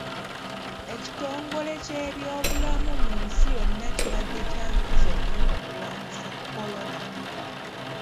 Ekitongole ky'ebyobulamu mu nsi yonna kibadde kya nkizo nnyo mu kulwanisa kolona.